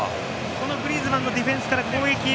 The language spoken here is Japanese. グリーズマンのディフェンスから攻撃へ。